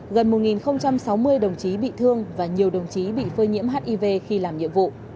gần một sáu mươi đồng chí bị thương và nhiều đồng chí bị phơi nhiễm hiv khi làm nhiệm vụ